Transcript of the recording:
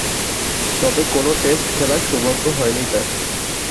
তবে কোন টেস্ট খেলার সৌভাগ্য হয়নি তার।